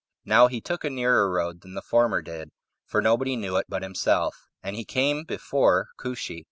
Now he took a nearer road than the former did, for nobody knew it but himself, and he came before Cushi.